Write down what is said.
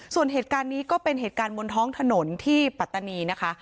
ส่วนเหตุการณ์นี้ก็เป็นเหตุการณ์บนท้องถนนที่ปัตตานีนะคะ